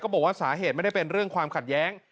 บอกว่าสาเหตุไม่ได้เป็นเรื่องความขัดแย้ง